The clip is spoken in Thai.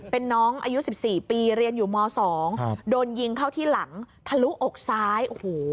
เป็นน้องอายุ๑๔ปีเรียนอยู่ม๒โดนยิงเข้าที่หลังทะลุอกซ้ายโอ้โห